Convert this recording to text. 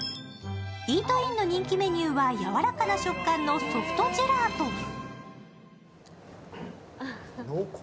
イートインの人気メニューはやわらかな食感のソフトジェラート。